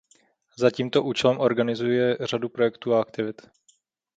Za tímto účelem organizuje řadu projektů a aktivit.